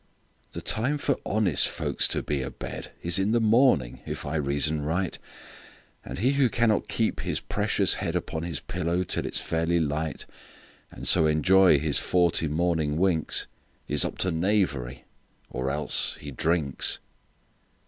The time for honest folks to be a bedIs in the morning, if I reason right; And he who cannot keep his precious headUpon his pillow till it 's fairly light, And so enjoy his forty morning winks, Is up to knavery; or else—he drinks!